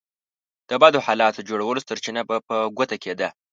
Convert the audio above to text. د بدو حالاتو جوړولو سرچينه به په ګوته کېده.